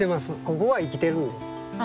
ここは生きてる。